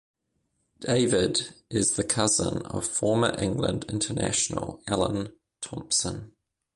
David is the cousin of former England international Alan Thompson.